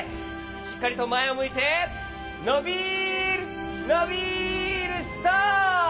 しっかりとまえをむいてのびるのびるストップ！